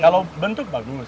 kalau bentuk bagus